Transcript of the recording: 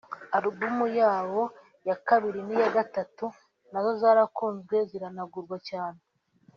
Album yabo ya kabiri n’iya gatatu nazo zarakunzwe ziranagurwa cyane